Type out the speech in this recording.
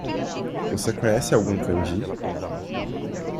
Você conhece algum kanji?